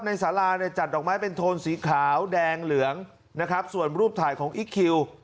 สาราเนี่ยจัดดอกไม้เป็นโทนสีขาวแดงเหลืองนะครับส่วนรูปถ่ายของอีคคิว